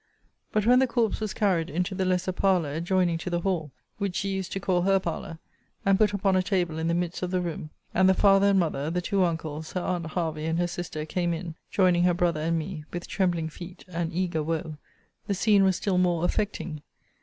But when the corpse was carried into the lesser parlour, adjoining to the hall, which she used to call her parlour, and put upon a table in the midst of the room, and the father and mother, the two uncles, her aunt Hervey, and her sister, came in, joining her brother and me, with trembling feet, and eager woe, the scene was still more affecting.